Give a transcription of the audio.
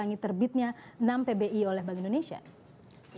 menangi terbitnya enam pbi oleh bank indonesia